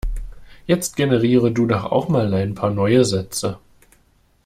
Jetzt generiere du doch auch mal ein paar neue Sätze.